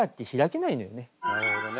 なるほどね。